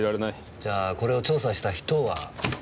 じゃあこれを調査した人は？